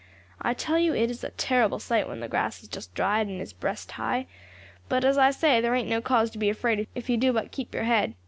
I tell you it is a terrible sight when the grass has just dried, and is breast high; but, as I say, there ain't no cause to be afraid if you do but keep your head.